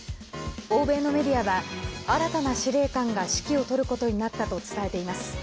欧米のメディアは新たな司令官が指揮を執ることになったと伝えています。